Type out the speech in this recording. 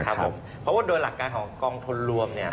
เพราะว่าโดยหลักการของกองทุนรวมเนี่ย